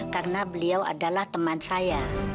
karena beliau adalah teman saya